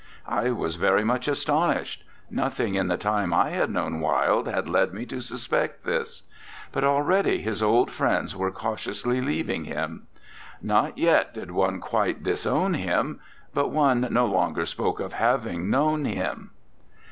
I was very much astonished; nothing in the time I had known Wilde had led me to suspect this. But already his old friends were cautiously leaving him. Not yet did one quite disown him. But one no longer spoke of having known him.